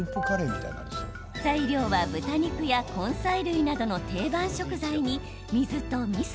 材料は豚肉や根菜類などの定番食材に水とみそ。